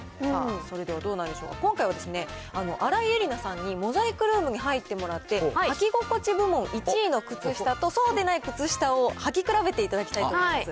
それではどうなりましたか、今回はですね、新井恵理那さんにモザイクルームに入ってもらって、履き心地部門１位の靴下と、そうでない靴下を履き比べていただきたいと思います。